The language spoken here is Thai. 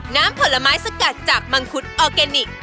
น้ำผลไม้สกัดจากมังคุดออร์แกนิค